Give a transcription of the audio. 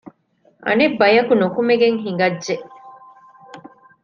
އަނެއް ބަޔަކު ނުކުމެގެން ހިނގައްޖެ